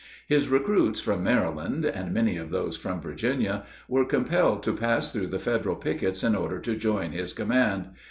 His recruits from Maryland, and many of those from Virginia, were compelled to pass through the Federal pickets in order to join his command.